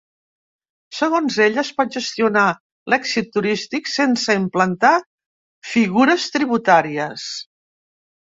Segons ella, es pot gestionar l’èxit turístic ‘sense implantar figures tributàries’.